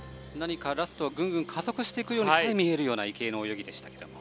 ラストぐんぐん加速していくように見える池江の泳ぎでした。